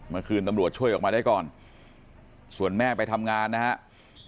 เมื่อคืนตำรวจช่วยออกมาได้ก่อนส่วนแม่ไปทำงานนะครับ